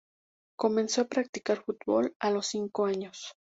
Comenzó a practicar fútbol a los cinco años.